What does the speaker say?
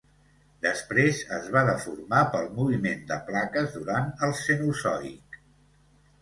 Després es va deformar pel moviment de plaques durant el Cenozoic.